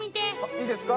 いいですか。